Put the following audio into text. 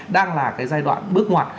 đang là cái giai đoạn bước ngoặt